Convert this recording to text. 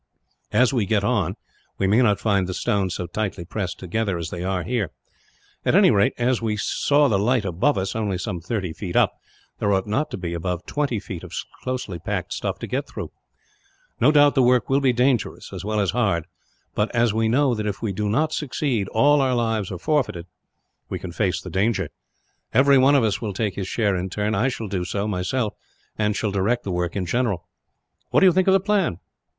As we get on, we may not find the stones so tightly pressed together as they are, here. At any rate, as we saw the light above us, only some thirty feet up, there ought not to be above twenty feet of closely packed stuff to get through. "No doubt the work will be dangerous, as well as hard but, as we know that if we do not succeed all our lives are forfeited, we can face the danger. Everyone of us will take his share in turn; I shall do so, myself, and shall direct the work in general. What do you think of the plan?"